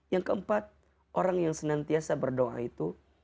yang keempat orang yang senantiasa berdoa itu